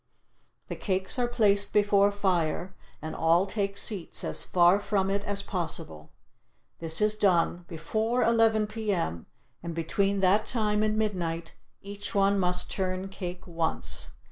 The cakes are placed before fire, and all take seats as far from it as possible. This is done before eleven p.m., and between that time and midnight each one must turn cake once.